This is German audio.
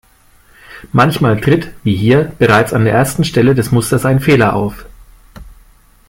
Manchmal tritt, wie hier, bereits an der ersten Stelle des Musters ein Fehler auf.